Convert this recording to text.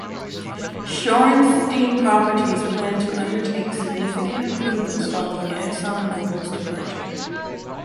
Shorenstien Properties plans to undertake significant improvements following ExxonMobil's departure.